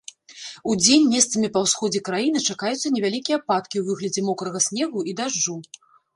Удзень месцамі па ўсходзе краіны чакаюцца невялікія ападкі ў выглядзе мокрага снегу і дажджу.